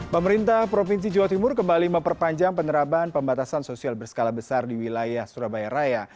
pemerintah provinsi jawa timur kembali memperpanjang penerapan pembatasan sosial berskala besar di wilayah surabaya raya